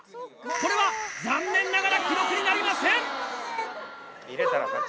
これは残念ながら記録になりません！